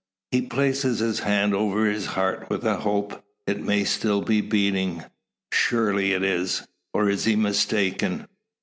He places his hand over the heart with a hope it may still be beating. Surely it is! Or is he mistaken?